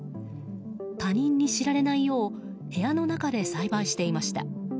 他人に知られないよう部屋の中で栽培していました。